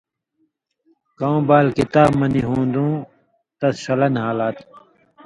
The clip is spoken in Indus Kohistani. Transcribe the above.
کؤں بال کتاب مہ نی ہُون٘دُوں تس ݜلہ نھالا تھہ۔